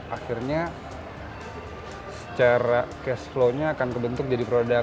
akhirnya secara cash flow nya akan kebentuk jadi produk